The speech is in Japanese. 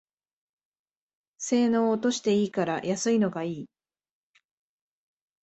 性能落としていいから安いのがいい